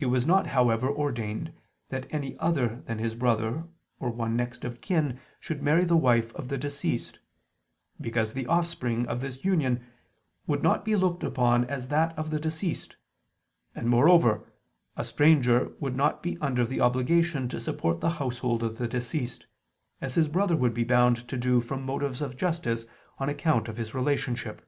It was not, however, ordained that any other than his brother or one next of kin should marry the wife of the deceased, because" the offspring of this union "would not be looked upon as that of the deceased: and moreover, a stranger would not be under the obligation to support the household of the deceased, as his brother would be bound to do from motives of justice on account of his relationship."